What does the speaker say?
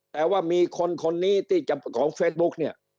แต่ว่ามีคนนี้ของเฟสบุ๊คเนี่ย